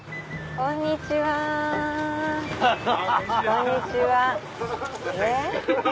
こんにちはえっ？